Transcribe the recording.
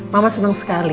mama seneng sekali